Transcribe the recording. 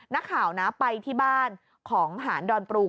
นักข่าวนะไปที่บ้านของหานดอนปลูก